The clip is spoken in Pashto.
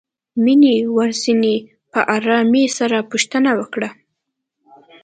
مينې ورڅنې په آرامۍ سره پوښتنه وکړه.